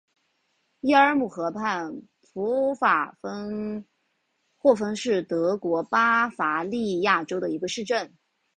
伊尔姆河畔普法芬霍芬是德国巴伐利亚州的一个市镇。